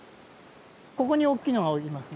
ここに大きいのがおりますね。